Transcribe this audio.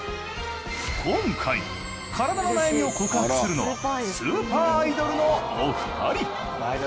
今回体の悩みを告白するのはスーパーアイドルのお二人。